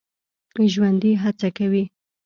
ژوندي هڅه کوي